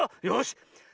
よし。